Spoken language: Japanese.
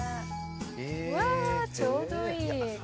うわちょうどいい。